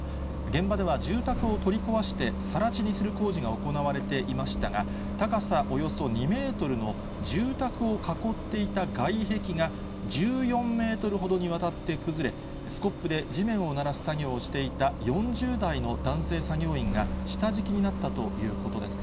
現場では住宅を取り壊して更地にする工事が行われていましたが、高さおよそ２メートルの住宅を囲っていた外壁が、１４メートルほどにわたって崩れ、スコップで地面をならす作業をしていた４０代の男性作業員が下敷きになったということです。